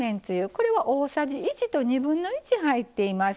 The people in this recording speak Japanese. これは大さじ１1/2入っています。